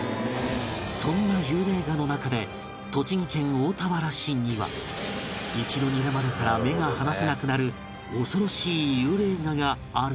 そんな幽霊画の中で栃木県大田原市には一度にらまれたら目が離せなくなる恐ろしい幽霊画があるという